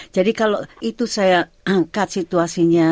jadi kalau itu saya angkat situasinya